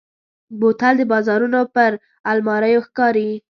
بوتل د بازارونو پر الماریو ښکاري.